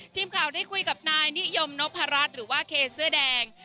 ทีมข่าวได้คุยกับนายนิยมนพรัชหรือว่าเคเสื้อแดง